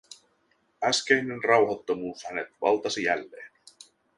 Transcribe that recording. Äskeinen rauhattomuus hänet valtasi jälleen.